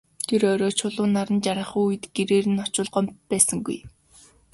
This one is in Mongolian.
Тэр орой Чулуун наран жаргахын үед гэрээр нь очвол Гомбо байсангүй.